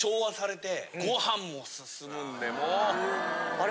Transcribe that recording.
あれ？